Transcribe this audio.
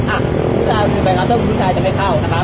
อ่ะคุณผู้ชายคือแบรนด์การ์มแต่คุณผู้ชายจะไม่เข้านะครับ